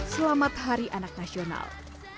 selamat hari anak nasional